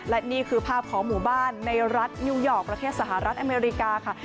และนี่คือภาพของหมู่บ้านในรัฐนิวยอร์กประเทศสหรัฐอเมริกาค่ะ